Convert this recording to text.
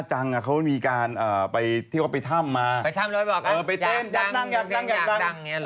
อเจมส์ไว้อยากดั่ง